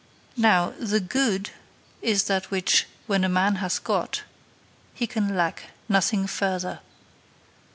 Now, the good is that which, when a man hath got, he can lack nothing further.